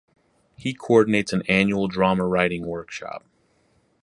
He coordinates an annual drama writing workshop.